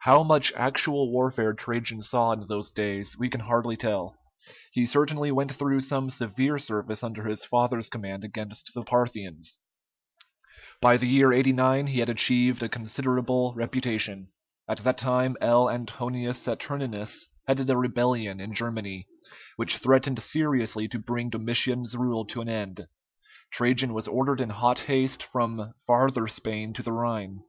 How much actual warfare Trajan saw in those days we can hardly tell; he certainly went through some severe service under his father's command against the Parthians. By the year 89 he had achieved a considerable reputation. At that time L. Antonius Saturninus headed a rebellion in Germany, which threatened seriously to bring Domitian's rule to an end. Trajan was ordered in hot haste from Farther Spain to the Rhine.